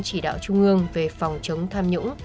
chỉ đạo trung ương về phòng chống tham nhũng